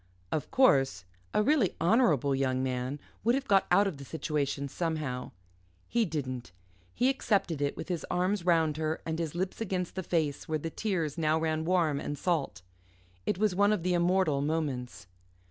Of course, a really honourable young man would have got out of the situation somehow. He didn't. He accepted it, with his arms round her and his lips against the face where the tears now ran warm and salt. It was one of the immortal moments.